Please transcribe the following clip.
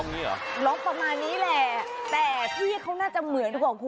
เฮ่ยอยู่ทีนี้เต็ม